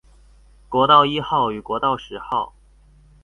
國道一號與國道十號